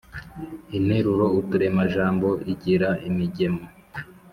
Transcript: interuro uturemajambo igira imigemo